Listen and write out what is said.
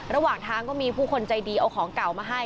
ระหว่างทางก็มีผู้คนใจดีเอาของเก่ามาให้